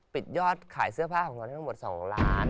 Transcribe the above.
ปิดยอดขายเสื้อผ้าของมันทั้งหมด๒ล้าน